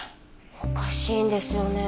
おかしいんですよね。